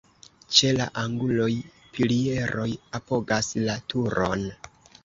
Ĉe la anguloj pilieroj apogas la turon.